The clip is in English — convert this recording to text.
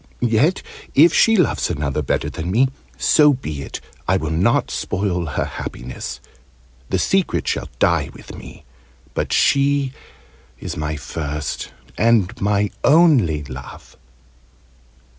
Yet, if she loves another better than me, so be it! I will not spoil her happiness. The secret shall die with me. But she is my first and my only love!"